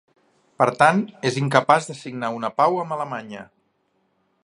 Per tant, és incapaç de signar una pau amb Alemanya.